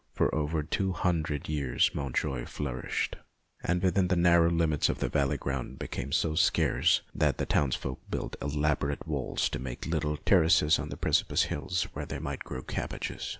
For over two hundred years Montjoie flourished, and within the narrow limits of the valley ground became so scarce that the townsfolk built elaborate walls to make little terraces on the precipi tous hills, where they might grow their cab bages.